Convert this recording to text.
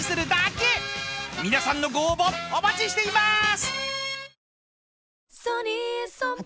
［皆さんのご応募お待ちしています］